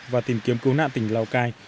và tìm kiếm cứu nạn tỉnh lào cai